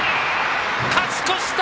勝ち越した！